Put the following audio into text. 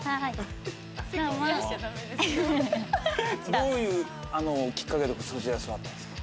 どういうきっかけでそちら座ったんですか？